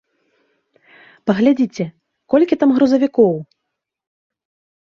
Паглядзіце, колькі там грузавікоў!